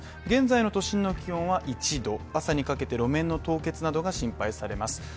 現在の都心の気温は１度、朝にかけて路面の凍結などが心配されます。